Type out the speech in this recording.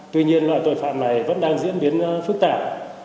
tuy nhiên loại tội phạm này vẫn đang diễn biến phức tạp